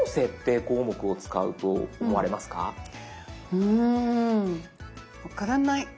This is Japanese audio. うん分からない。